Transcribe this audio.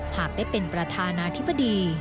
หากได้เป็นประธานาธิบดี